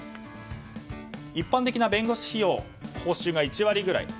一般的な弁護士費用は報酬が１割ぐらい。